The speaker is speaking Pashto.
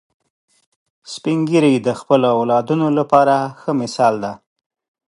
سپین ږیری د خپلو اولادونو لپاره ښه مثال دي